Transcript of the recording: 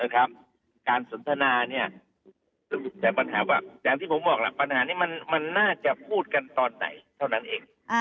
การสนทนารู้สึกแต่ปัญหาว่าอย่างที่ผมบอกล่ะปัญหานี้มันน่าจะพูดกันตอนไหนเท่านั้นเอง